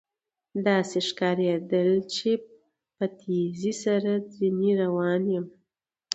داسې ښکارېدل چې په تېزۍ سره ځنې روان یم.